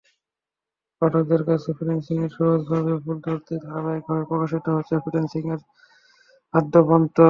পাঠকদের কাছে ফ্রিল্যান্সিংকে সহজভাবে তুলে ধরতেই ধারাবাহিকভাবে প্রকাশিত হচ্ছে ফ্রিল্যান্সিংয়ের আদ্যোপান্ত।